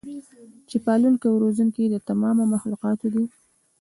چې پالونکی او روزونکی د تمامو مخلوقاتو دی